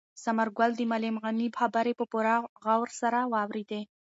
ثمرګل د معلم غني خبرې په پوره غور سره واورېدې.